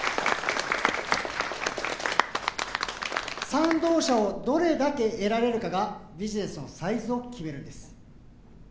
賛同者をどれだけ得られるかがビジネスのサイズを決めるんです